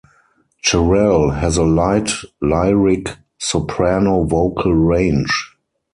Cherrelle has a light-lyric soprano vocal range.